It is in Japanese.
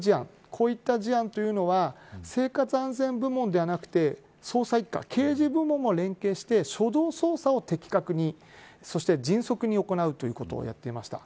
こういった事案というのは生活安全部門ではなくて捜査一課、刑事部門が連携して初動捜査を的確にそして迅速に行うということをやっていました。